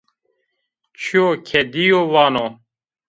Çîyo ke dîyo, vano